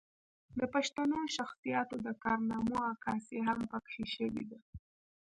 د پښتنو شخصياتو د کارنامو عکاسي هم پکښې شوې ده